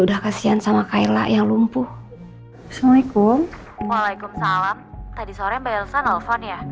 udah kasihan sama kaila yang lumpuh assalamualaikum waalaikumsalam tadi sore mbak elsa nelfon ya